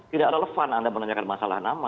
tidak relevan anda menanyakan masalah nama